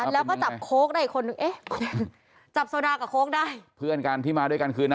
แล้วก็จับโค้กได้อีกคนนึงเอ๊ะจับโซดากับโค้กได้เพื่อนกันที่มาด้วยกันคืนนั้น